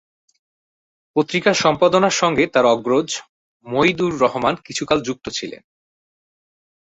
পত্রিকার সম্পাদনার সঙ্গে তার অগ্রজ মঈদ-উর-রহমান কিছুকাল যুক্ত ছিলেন।